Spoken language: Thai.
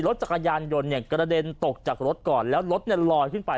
รถจักรยานยนต์เนี่ยกระเด็นตกจากรถก่อนแล้วรถเนี่ยลอยขึ้นไป